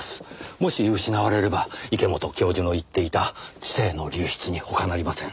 もし失われれば池本教授の言っていた知性の流出に他なりません。